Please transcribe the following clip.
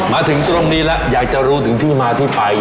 มาถึงตรงนี้แล้วอยากจะรู้ถึงที่มาที่ไป